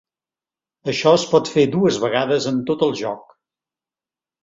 Això es pot fer dues vegades en tot el joc.